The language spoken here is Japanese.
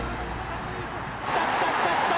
来た来た来た来た！